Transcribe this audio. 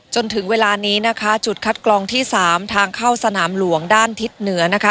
จนถึงเวลานี้นะคะจุดคัดกรองที่สามทางเข้าสนามหลวงด้านทิศเหนือนะคะ